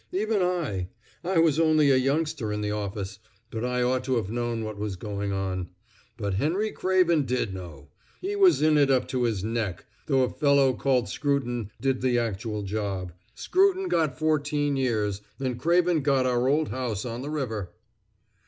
Even I I was only a youngster in the office, but I ought to have known what was going on. But Henry Craven did know. He was in it up to the neck, though a fellow called Scruton did the actual job. Scruton got fourteen years and Craven got our old house on the river!"